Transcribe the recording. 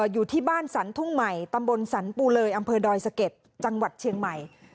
อยู่ที่บ้านสรรทุ่งใหม่ตำบลสรรปูเลยอำเภอดอยสะเก็ดจังหวัดเชียงใหม่